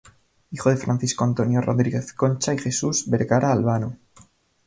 Hijo de Francisco Antonio Rodríguez Concha y Jesús Vergara Albano.